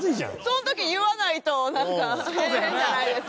その時に言わないとなんか変じゃないですか。